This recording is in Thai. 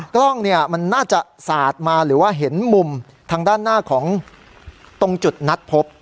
กล้องเนี่ยมันน่าจะสาดมาหรือว่าเห็นมุมทางด้านหน้าของตรงจุดนัดพบ